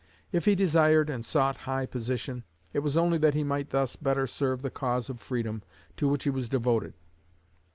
If he desired and sought high position, it was only that he might thus better serve the cause of freedom to which he was devoted.